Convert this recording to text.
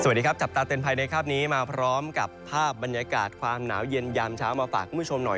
สวัสดีครับจับตาเตือนภัยในคราบนี้มาพร้อมกับภาพบรรยากาศความหนาวเย็นยามเช้ามาฝากคุณผู้ชมหน่อย